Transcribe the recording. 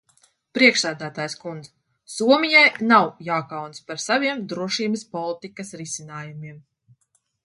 Priekšsēdētājas kundze, Somijai nav jākaunas par saviem drošības politikas risinājumiem.